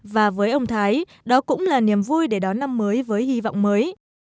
và với ông thái đó cũng là niềm vui để đón năm mới với hy vọng mới